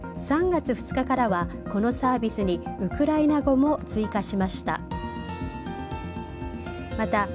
３月２日からはこのサービスにウクライナ語も追加しました。